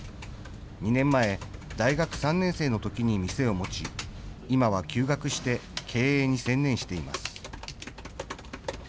２年前、大学３年生のときに店を持ち、今は休学して経営に専念しています。